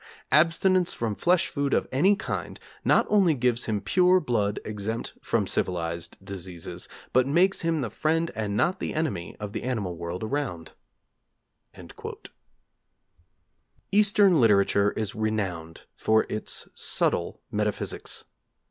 Abstinence from flesh food of any kind, not only gives him pure blood exempt from civilized diseases but makes him the friend and not the enemy, of the animal world around.' Eastern literature is renowned for its subtle metaphysics.